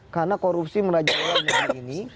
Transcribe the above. karena korupsi meraja orang orang ini